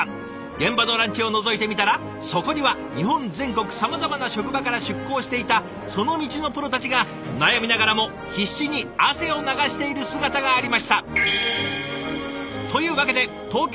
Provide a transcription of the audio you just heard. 現場のランチをのぞいてみたらそこには日本全国さまざまな職場から出向していたその道のプロたちが悩みながらも必死に汗を流している姿がありました。